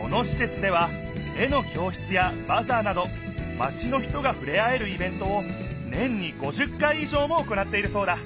このしせつでは絵の教室やバザーなどマチの人がふれあえるイベントを年に５０回いじょうも行っているそうだ